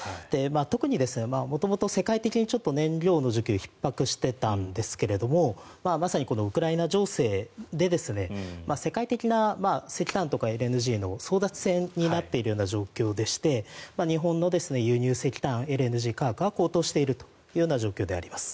特に元々、世界的に燃料の需給がひっ迫していたんですがまさにウクライナ情勢で世界的な石炭とかＬＮＧの争奪戦になっているような状況でして日本の輸入石炭ＬＮＧ価格が高騰しているという状況であります。